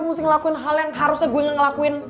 mesti ngelakuin hal yang harusnya gue ngelakuin